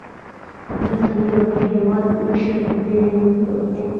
رسنيو پر هېوادمشر ډېرې نیوکې وکړې.